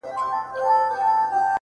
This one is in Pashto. تا د ورځي زه د ځان كړمه جانـانـه;